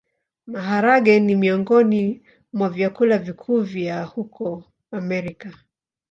Maharagwe ni miongoni mwa vyakula vikuu vya huko Amerika.